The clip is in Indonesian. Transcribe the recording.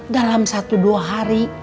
dalam satu dua hari